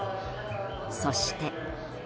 そして。